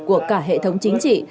của cả hệ thống chính trị